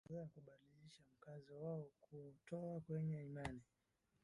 kwa madhehebu kadhaa kubadilisha mkazo wao kuutoa kwenye imani